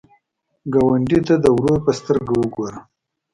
ګاونډي ته د ورور په سترګه وګوره